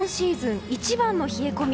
今シーズン一番の冷え込み。